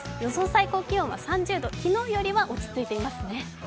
最高気温は３０度、昨日よりは落ち着いていますね。